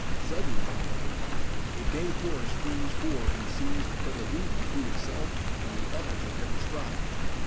Suddenly, however, a bay horse springs forward and seems to put a length between itself and the others at every stride.